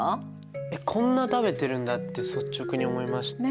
えっこんな食べてるんだって率直に思いました。